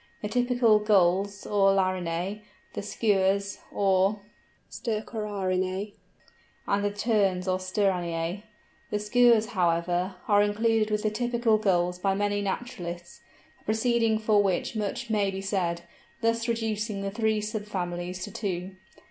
the typical Gulls or Larinæ, the Skuas or Stercorariinæ, and the Terns or Sterninæ. The Skuas, however, are included with the typical Gulls by many naturalists, a proceeding for which much may be said, thus reducing the three sub families to two.